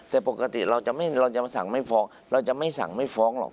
แต่ปกติเราจะสั่งไม่ฟ้องเราจะไม่สั่งไม่ฟ้องหรอก